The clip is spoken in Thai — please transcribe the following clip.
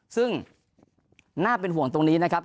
ซึ่งน่าเป็นห่วงตรงนี้นะครับ